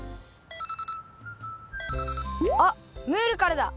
あっムールからだ。